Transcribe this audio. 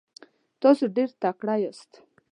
تاسو ډیر تکړه یاست.